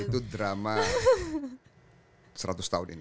itu drama seratus tahun ini